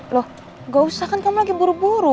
loh gak usah kan kamu lagi buru buru